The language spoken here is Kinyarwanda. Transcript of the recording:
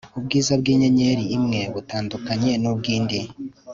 ubwiza bw inyenyeri imwe butandukanye n ubw indi